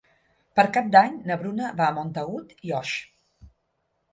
Per Cap d'Any na Bruna va a Montagut i Oix.